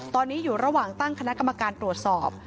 ตอนนี้อยู่ระหว่างตั้งคณะกรรมการตรวจสอบ